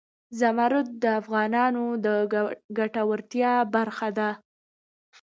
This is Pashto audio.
زمرد د افغانانو د ګټورتیا برخه ده.